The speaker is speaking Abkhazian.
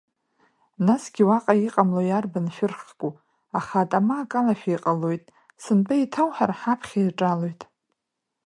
Насгьы уаҟа иҟамло иарбан шәыр хку, аха атама акалашәа иҟалоит, сынтәа еиҭауҳар ҳаԥхьа иаҿалоит…